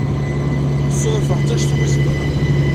Suɛfeɣ-tt anect umi zemreɣ.